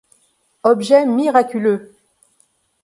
Objet miraculeux.